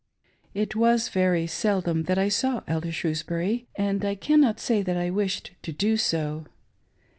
It was very seldom that I saw Elder Shrewsbury, and I cannot say that I wished to do so.